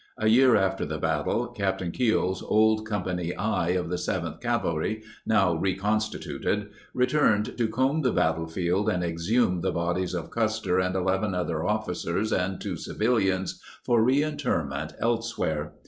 A year after the battle, Captain Keogh's old Company I of the 7th Cavalry, now reconstituted, returned to comb the battlefield and exhume the bodies of Custer and 1 1 other officers and two civilians for reinterment elsewhere.